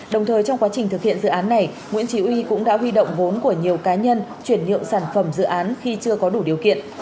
đồng thời trong quá trình thực hiện dự án này nguyễn trí uy cũng đã huy động vốn của nhiều cá nhân chuyển nhượng sản phẩm dự án khi chưa có đủ điều kiện